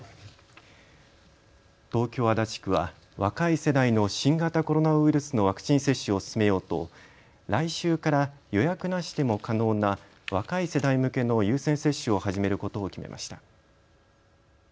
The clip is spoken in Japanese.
東京足立区は若い世代の新型コロナウイルスのワクチン接種を進めようと来週から予約なしでも可能な若い世代向けの優先接種を始めることを決めました。